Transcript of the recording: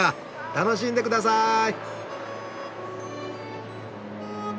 楽しんでください。